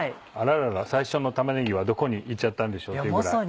最初の玉ねぎはどこに行っちゃったんでしょうっていうぐらい。